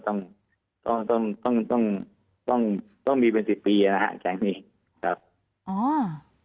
แต่ก็ทำเป็นเวลาหลายปีนะครับ